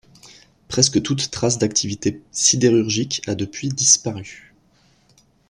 Presque toute trace d’activité sidérurgique a depuis disparu.